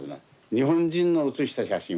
日本人の写した写真は。